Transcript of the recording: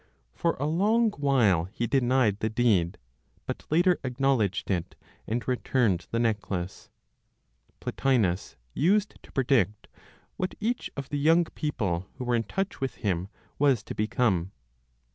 For a long while, he denied the deed; but later acknowledged it, and returned the necklace. Plotinos used to predict what each of the young people who were in touch with him was to become.